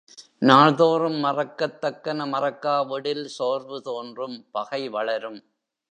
நாள்தோறும் மறக்கத்தக்கன மறக்கா விடில் சோர்வு தோன்றும் பகை வளரும்.